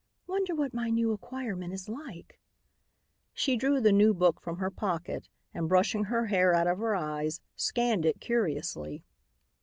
"Wonder what my new acquirement is like?" She drew the new book from her pocket and, brushing her hair out of her eyes, scanned it curiously.